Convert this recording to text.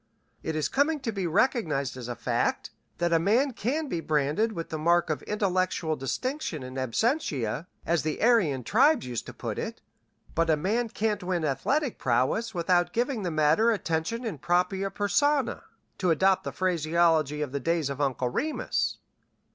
It is coming to be recognized as a fact that a man can be branded with the mark of intellectual distinction in absentia, as the Aryan tribes used to put it, but a man can't win athletic prowess without giving the matter attention in propria persona, to adopt the phraseology of the days of Uncle Remus.